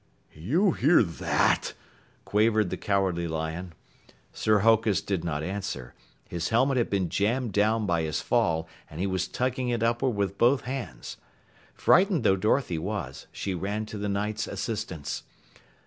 "You hear that?" quavered the Cowardly Lion. Sir Hokus did not answer. His helmet had been jammed down by his fall, and he was tugging it upward with both hands. Frightened though Dorothy was, she ran to the Knight's assistance.